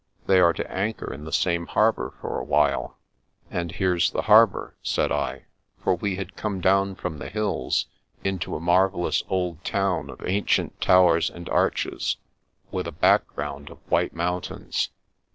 They are to anchor in the same harbour for a while." "And here's the harbour," said I, for we had come down from the hills into a marvellous old town of ancient towers and arches, with a back ground of white mountains.